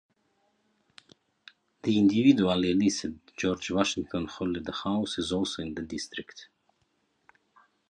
The individually listed George Washington Hollida House is also in the district.